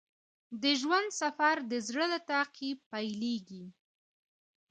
د ژوند سفر د زړه له تعقیب پیلیږي.